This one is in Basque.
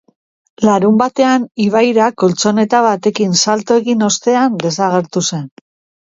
Larunbatean ibaira koltxoneta batekin salto egin ostean desagertu zen.